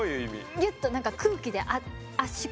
ギュッと何か空気で圧縮して。